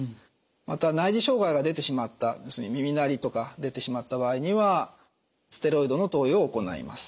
また内耳障害が出てしまった要するに耳鳴りとか出てしまった場合にはステロイドの投与を行います。